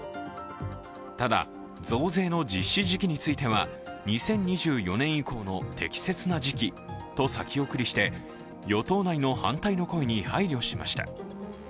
ただ、増税の実施時期については「２０２４年以降の適切な時期」と先送りして与党内の反対の声に配慮しました。